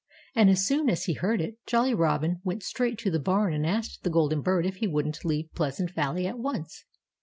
And as soon as he heard it, Jolly Robin went straight to the barn and asked the golden bird if he wouldn't leave Pleasant Valley at once.